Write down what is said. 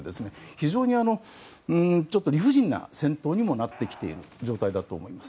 非常に理不尽な戦闘になってきている状況だと思います。